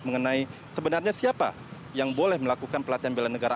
mengenai sebenarnya siapa yang boleh melakukan pelatihan bela negara